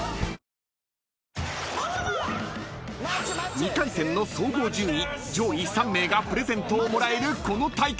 ［２回戦の総合順位上位３名がプレゼントをもらえるこの対決］